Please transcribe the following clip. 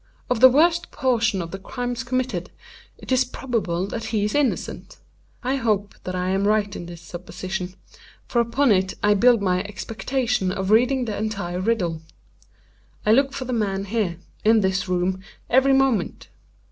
Of the worst portion of the crimes committed, it is probable that he is innocent. I hope that I am right in this supposition; for upon it I build my expectation of reading the entire riddle. I look for the man here—in this room—every moment.